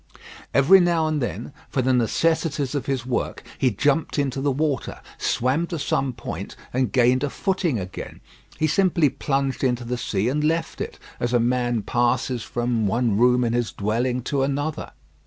Every now and then, for the necessities of his work, he jumped into the water, swam to some point, and gained a footing again. He simply plunged into the sea and left it, as a man passes from one room in his dwelling to another.